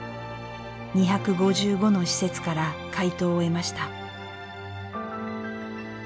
２５５の施設から回答を得ました。